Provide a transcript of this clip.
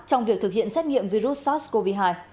trong việc thực hiện xét nghiệm virus sars cov hai